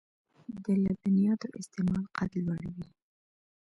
د لبنیاتو استعمال قد لوړوي .